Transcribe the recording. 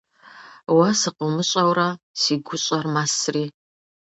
Уэ сыкъыумыщӀэурэ си гущӀэр мэсри.